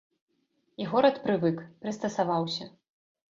І горад прывык, прыстасаваўся.